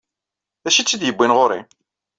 D acu ay tt-id-yewwin ɣer-i?